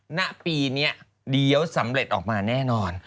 ณปีนี้เดี๋ยวสำเร็จออกมาแน่นอน